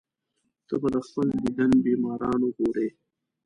ته به د خپل دیدن بیماران وګورې.